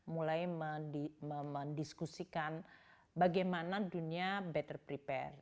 mulai mendiskusikan bagaimana dunia better prepare